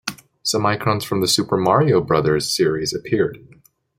Some icons from the Super Mario Brothers series appeared.